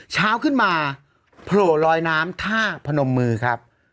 เช้าขึ้นมาโผล่ลอยน้ำท่าพนมมือครับ